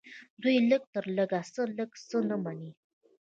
دوی د لږ تر لږه څخه لږ څه نه مني